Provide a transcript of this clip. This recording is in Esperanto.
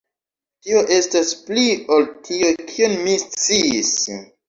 Tio estas pli ol tio, kion mi sciis.